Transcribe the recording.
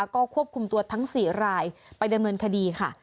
ก็ควบคุมตัวทั้ง๔รายไปดำเนินคดีค่ะ